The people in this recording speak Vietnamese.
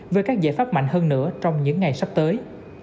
về các giải pháp mạnh hơn nữa trong những ngày sắp tới